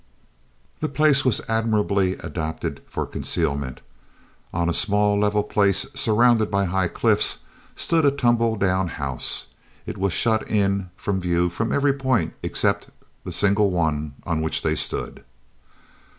The place was admirably adapted for concealment. On a small level place surrounded by high cliffs stood a tumble down house. It was shut in from view from every point except the single one on which they stood.